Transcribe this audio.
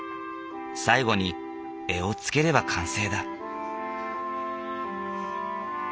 最後に柄をつければ完成だ。